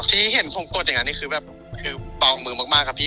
ที่เห็นผมกดอย่างนั้นนี่คือแบบคือปองมือมากครับพี่